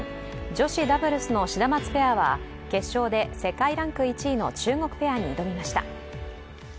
女子ダブルスのシダマツペアは決勝で世界ランク１位の中国ペアに挑みました。